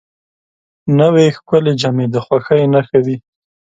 نوې ښکلې جامې د خوښۍ نښه وي